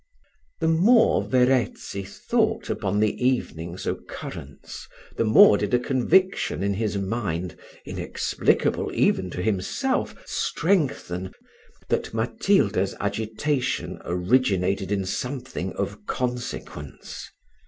The more Verezzi thought upon the evening's occurrence, the more did a conviction in his mind, inexplicable even to himself, strengthen, that Matilda's agitation originated in something of consequence.